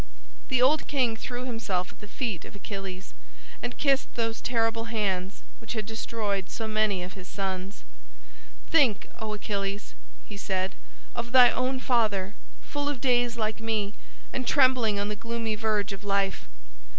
The old king threw himself at the feet of Achilles, and kissed those terrible hands which had destroyed so many of his sons. "Think, O Achilles," he said, "of thy own father, full of days like me, and trembling on the gloomy verge of life.